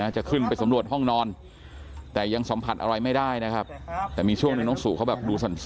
จะขึ้นไปสำรวจห้องนอนแต่ยังสัมผัสอะไรไม่ได้นะครับ